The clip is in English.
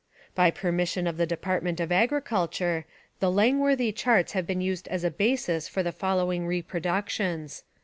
By permission of the Department of Agriculture, the Langworthy charts have been used as a basis for the following reproductions.